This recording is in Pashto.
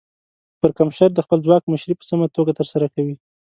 پرکمشر د خپل ځواک مشري په سمه توګه ترسره کوي.